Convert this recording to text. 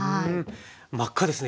真っ赤ですね